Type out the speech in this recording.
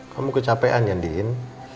kamu kecapean ya din